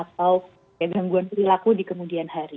atau gangguan perilaku di kemudian hari